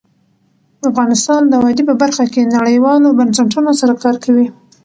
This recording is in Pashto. افغانستان د وادي په برخه کې نړیوالو بنسټونو سره کار کوي.